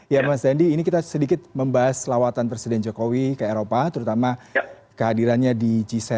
ya mas dandi ini kita sedikit membahas lawatan presiden jokowi ke eropa terutama kehadirannya di g tujuh